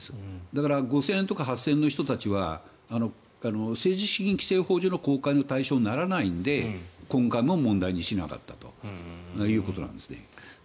だから５０００円とか８０００円とかの人たちは政治資金規正法上の公開の対象にならないので今回も問題にしなかったということです。